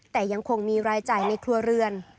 แต่ยังคงมีรายจ่ายในครัวเรือน